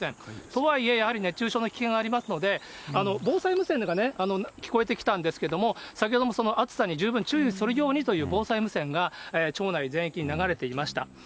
とはいえ、やはり熱中症の危険がありますので、防災無線がね、聞こえてきたんですけれども、先ほどもその暑さに十分注意するようにという防災無線が町内全域に流れていました。